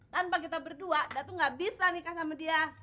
tanpa kita berdua datu nggak bisa nikah sama dia